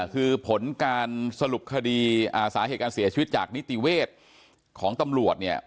คือผลการสรุปคดีสาเหตุการเสียชีวิตจากนิติเวชของตำรวจเนี่ย